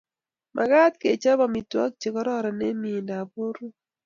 Magat kechop amitwogik che kororon eng mieindap borwek